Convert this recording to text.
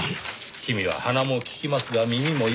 君は鼻も利きますが耳も良い。